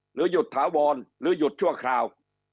หรือหยุดถาวรหรือหยุดชั่วคราว